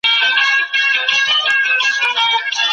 فلجي ناروغ پښې کار نه کوي.